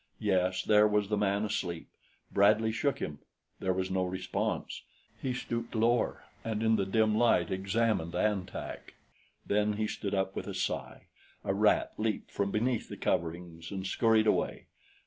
Yes, there was the man asleep. Bradley shook him there was no response. He stooped lower and in the dim light examined An Tak; then he stood up with a sigh. A rat leaped from beneath the coverings and scurried away.